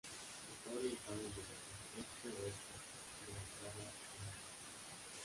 Está orientado en dirección este-oeste, con la entrada en el este.